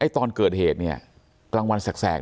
ตอนเกิดเหตุเนี่ยกลางวันแสก